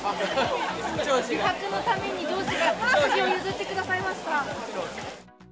美白のために、上司が日陰を譲ってくださいました。